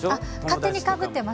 勝手にかぶってる！